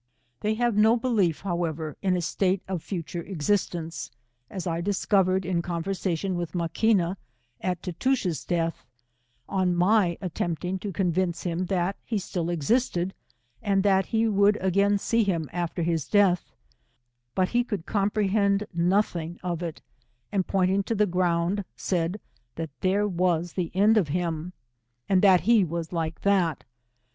They have no belief, however, in a state of fu ture existence, as I discovered, in conversation with Maquina, at Tootoosch's death, on my at tempting to convince hira that be still existed, and 173 that he would again see him after his death : but he could comprehend nothing of it, and pointing to the ground, said, that there was the end of him, and that he was like that.